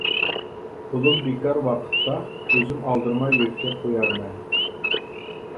قولۇم بىكار ۋاقىتتا ئۆزۈم ئالدىرىماي يۆتكەپ قويارمەن.